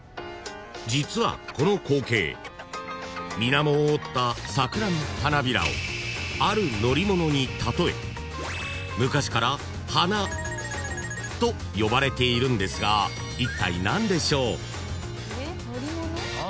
［実はこの光景水面を覆った桜の花びらをある乗り物にたとえ昔から「花」と呼ばれているんですがいったい何でしょう？］